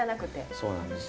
そうなんです。